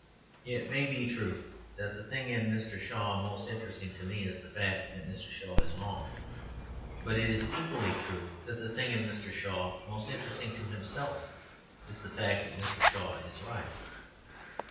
It may be true that the thing in Mr. Shaw most interesting to me, is the fact that Mr. Shaw is wrong. But it is equally true that the thing in Mr. Shaw most interesting to himself, is the fact that Mr. Shaw is right.